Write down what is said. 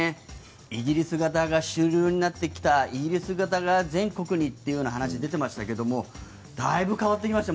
イギリス型が主流になってきたイギリス型が全国にという話が出てましたけどもだいぶ変わってきました。